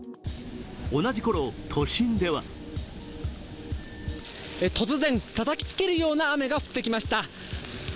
同じころ都心では突然、たたきつけるような雨が降ってきました。